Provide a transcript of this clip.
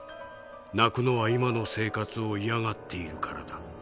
泣くのは今の生活を嫌がっているからだ。